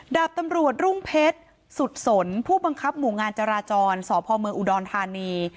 ดาบตำรวจรุ่งเพชรสุดสนผู้บังคับหมู่งานจราจรสพเมืองอุดรธานี